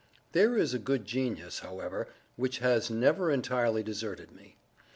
There is a good genius, however, which has never entirely deserted me.